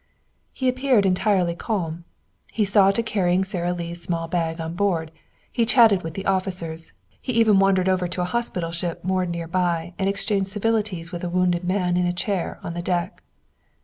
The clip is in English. He appeared entirely calm. He saw to carrying Sara Lee's small bag on board; he chatted with the officers; he even wandered over to a hospital ship moored near by and exchanged civilities with a wounded man in a chair on the deck.